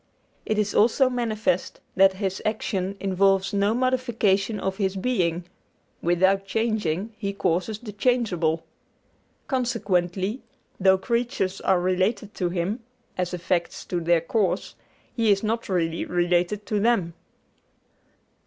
It is also manifest that His action involves no modification of His being without changing, He causes the changeable. Consequently, though creatures are related to Him, as effects to their cause, He is not really related to them.